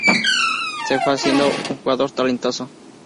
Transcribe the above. Se fue haciendo un jugador talentoso.